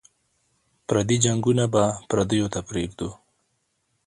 پردي جنګونه به پردیو ته پرېږدو.